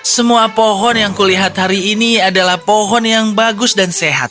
semua pohon yang kulihat hari ini adalah pohon yang bagus dan sehat